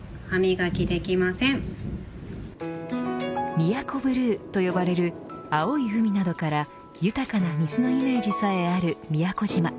宮古ブルーと呼ばれる青い海などから豊かな水のイメージさえある宮古島。